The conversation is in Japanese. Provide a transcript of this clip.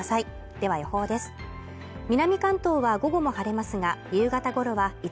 では予報ですヘイ！